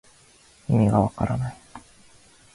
いみがわからない